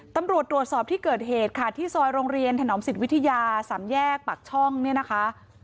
ตำรวจตรวจสอบที่เกิดเหตุค่ะที่ซอยโรงเรียนถนอมสิทธิวิทยาสามแยกปากช่องเนี่ยนะคะ